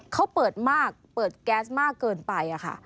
เขาเปิดมากเปิดแก๊สมากเกินไปค่ะ